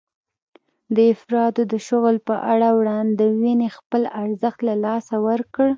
د افرادو د شغل په اړه وړاندوېنې خپل ارزښت له لاسه ورکړ.